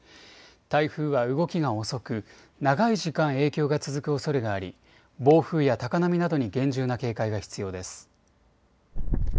台風は動きが遅く、長い時間、影響が続くおそれがあり暴風や高波などに厳重な警戒が必要です。